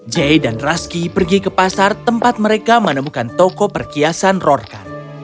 jay dan raski pergi ke pasar tempat mereka menemukan toko perhiasan rorkan